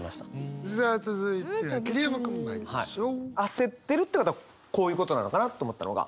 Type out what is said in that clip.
焦ってるってことはこういうことなのかなと思ったのが。